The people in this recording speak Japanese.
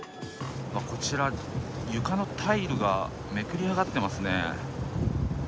こちら、床のタイルがめくれ上がっていますね。